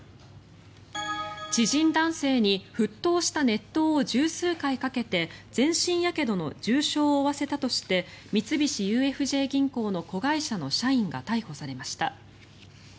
知人男性に沸騰した熱湯を１０数回かけて全身やけどの重傷を負わせたとして三菱ＵＦＪ銀行の子会社の社員が逮捕されました。